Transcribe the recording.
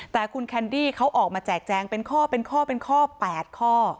แต่คุณแคนดี้เขาออกมาแจกแจงเป็นข้อเป็นข้อเป็นข้อ๘ข้อ